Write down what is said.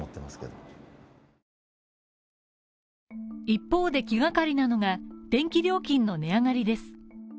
一方で気がかりなのが、電気料金の値上がりです。